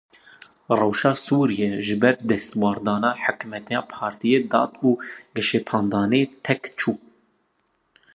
Rewşa Sûriyeyê ji ber destwerdana hikûmeta Partiya Dad û Geşepêdanê têk çû.